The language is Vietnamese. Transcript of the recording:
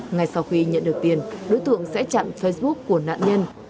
ngay sau khi nhận được tiền đối tượng sẽ chặn facebook của nạn nhân